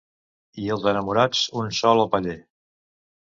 I els enamorats un sol al paller.